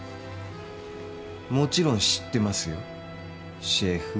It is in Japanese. もちろん知ってますよシェフ。